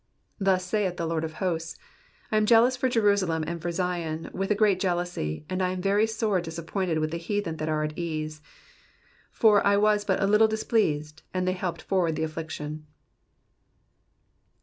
^^ Thus saith the Lord of hosts ; I am jealous for Jerusalem, and for Zion, with a great jealousy ; and I am very sore displeased with the heathen that are at ease : for I was but a little displeased, and they helped forward the affliction.